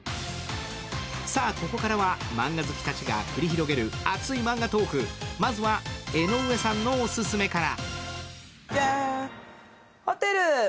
ここからはマンガ好きたちが繰り広げる熱いマンガトーク、まずは江上さんのオススメから。